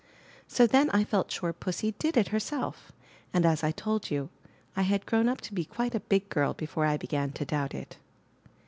'' So then I felt sure Pussy did it herself; and as I told you, I had grown up to be quite a big girl before I began to doubt it.